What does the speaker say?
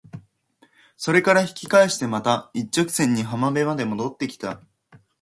それから引き返してまた一直線に浜辺まで戻って来た。